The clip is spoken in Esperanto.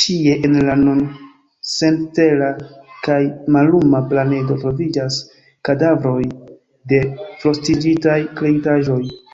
Ĉie en la nun senstela kaj malluma planedo troviĝas kadavroj de frostiĝintaj kreitaĵoj.